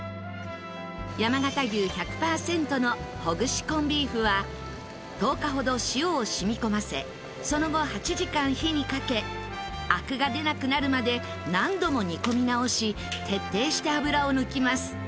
山形牛１００パーセントのほぐしコンビーフは１０日ほど塩を染み込ませその後８時間火にかけアクが出なくなるまで何度も煮込み直し徹底して脂を抜きます。